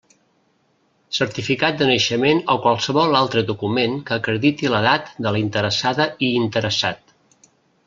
Certificat de naixement o qualsevol altre document que acrediti l'edat de la interessada i interessat.